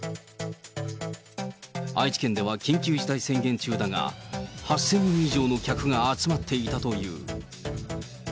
愛知県では緊急事態宣言中だが、８０００人以上の客が集まっていたという。